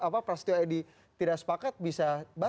pak edi tidak sepakat bisa batal